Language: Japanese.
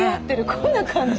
こんな感じ。